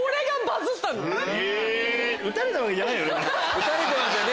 撃たれてますよね